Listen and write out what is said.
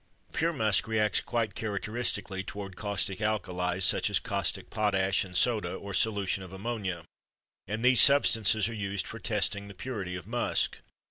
Pure musk reacts quite characteristically toward caustic alkalies such as caustic potash and soda or solution of ammonia, and these substances are used for testing the purity of musk.